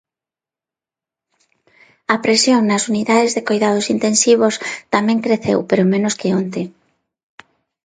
A presión nas unidades de coidados intensivos tamén creceu pero menos que onte.